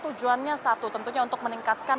tujuannya satu tentunya untuk meningkatkan